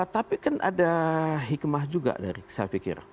tapi kan ada hikmah juga dari saya pikir